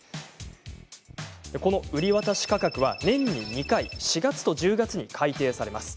この売渡価格は年に２回４月と１０月に改定されます。